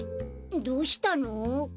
どうしたの？